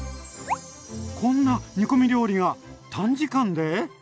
こんな煮込み料理が短時間で？